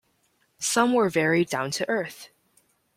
Some were very down-to-earth.